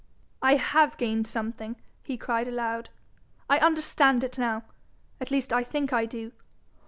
'I HAVE gained something,' he cried aloud. 'I understand it now at least I think I do.